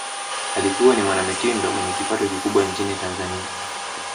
alikuwa ni mwanamitindo mwenye kipato kikubwa nchini tanzani